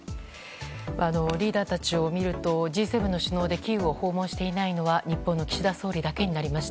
リーダーたちを見るとＧ７の首脳でキーウを訪問していないのは日本の岸田総理だけになりました。